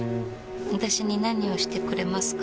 私に何をしてくれますか？